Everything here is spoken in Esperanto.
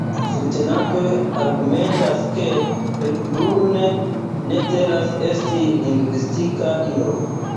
Subtenantoj argumentas ke Hepburn ne celas esti lingvistika ilo.